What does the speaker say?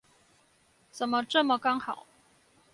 怎麼這麼剛好